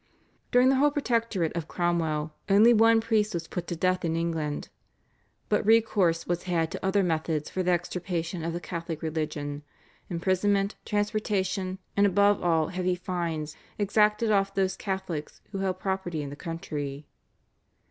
During the whole Protectorate of Cromwell only one priest was put to death in England. But recourse was had to other methods for the extirpation of the Catholic religion, imprisonment, transportation, and above all heavy fines exacted off those Catholics who held property in the country.